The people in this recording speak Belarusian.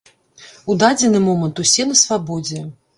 У дадзены момант усе на свабодзе.